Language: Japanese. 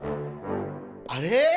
あれ？